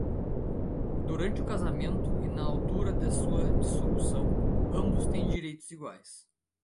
Durante o casamento e na altura da sua dissolução, ambos têm direitos iguais.